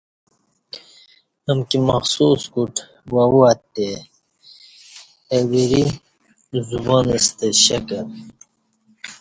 امکی مخصوص کوٹ واو اتے اہ وری ( زبان) ستہ شکل